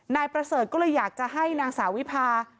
นายประเสริฐก็เลยอยากจะให้นางสาววิพา